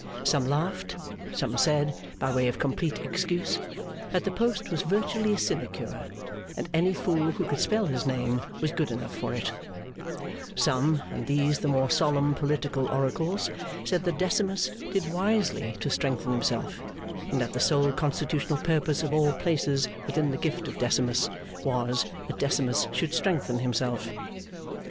Some laughed; some said, by way of complete excuse, that the post was virtually a sinecure, and any fool who could spell his name was good enough for it; some, and these the more solemn political oracles, said that Decimus did wisely to strengthen himself, and that the sole constitutional purpose of all places within the gift of Decimus, was, that Decimus should strengthen himself.